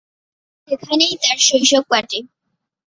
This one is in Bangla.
সেখানেই তার শৈশব কাটে।